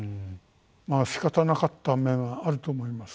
まあ、しかたなかった面があると思います。